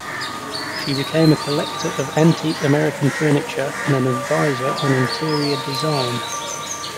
She became a collector of antique American furniture, and an advisor on interior design.